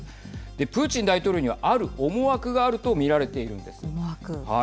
プーチン大統領にはある思惑があると見られているんです。